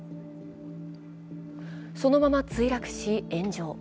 そのまま墜落し、炎上。